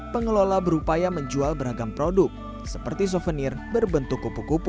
pengelola berupaya menjual beragam produk seperti souvenir berbentuk kupu kupu